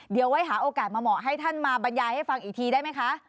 เดี๋ยวไว้หาโอกาสมาเหมาะให้ท่านมาบรรยายให้ฟังอีกทีได้ไหมคะ